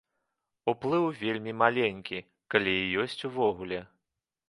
Уплыў вельмі маленькі, калі і ёсць увогуле.